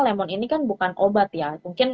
lemon ini kan bukan obat ya mungkin